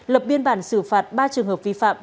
lập biên bản xử phạt ba trường hợp vi phạm